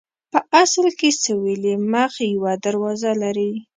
په اصل کې سویلي مخ یوه دروازه لري.